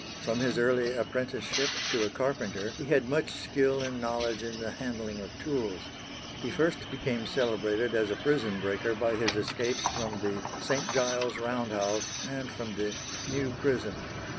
From his early apprenticeship to a carpenter he had much skill and knowledge in the handling of tools. He first became celebrated as a prison breaker by his escapes from the St. Giles's Round House and from the New Prison.